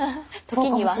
時には。